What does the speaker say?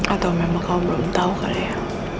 atau memang kamu belum tau kali ya